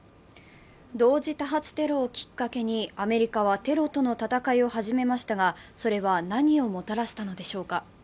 同時多発テロをきっかけにアメリカはテロとの戦いを始めましたが、それは何をもたらしたのでしょうか。